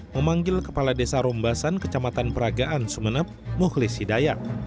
memanggil kepala desa rombasan kecamatan peragaan sumeneb mukhlis hidayat